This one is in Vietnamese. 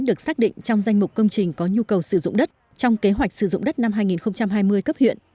được xác định trong danh mục công trình có nhu cầu sử dụng đất trong kế hoạch sử dụng đất năm hai nghìn hai mươi cấp huyện